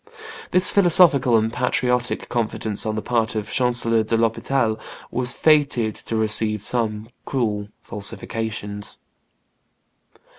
'" This philosophical and patriotic confidence on the part of Chancellor de l'Hospital was fated to receive some cruel falsifications.